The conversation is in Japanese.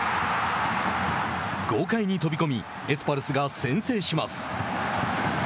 豪快に飛び込みエスパルスが先制します。